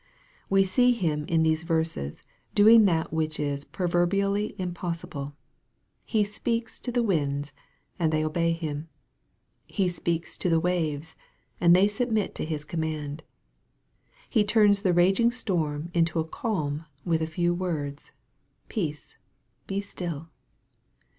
We see Him in these verses doing that which is proverbially impossible. He speaks to the winds, and they obey him. He speaks to the waves and they submit to His command. He turns the raging storm into a calm with a few words " Peace, be still."